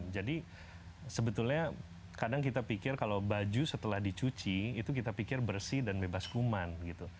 jadi sebetulnya kadang kita pikir kalau baju setelah dicuci itu kita pikir bersih dan bebas kuman gitu